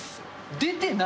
出てない？